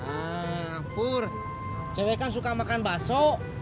ah pur cewek kan suka makan bakso